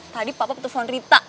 tadi pak pap telfon rita